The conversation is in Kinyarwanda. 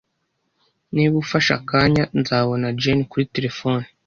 Niba ufashe akanya, nzabona Jane kuri terefone.